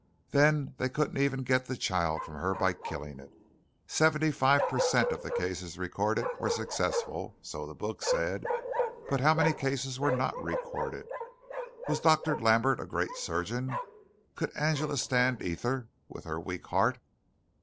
Then they couldn't even get the child from her by killing it. Seventy five per cent. of the cases recorded were successful, so the book said, but how many cases were not recorded. Was Dr. Lambert a great surgeon? Could Angela stand ether with her weak heart?